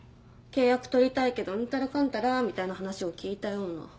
契約取りたいけどうんたらかんたらみたいな話を聞いたような。